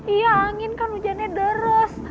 iya angin kan hujannya deres